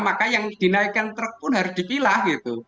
maka yang dinaikkan truk pun harus dipilah gitu